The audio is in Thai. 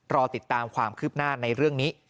รอติดตามความคืบหน้าในเรื่องนี้